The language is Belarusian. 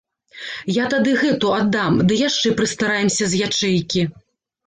Я тады гэту аддам, ды яшчэ прыстараемся з ячэйкі.